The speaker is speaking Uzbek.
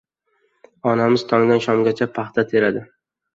Onamiz tongdan shomgacha paxta teradi.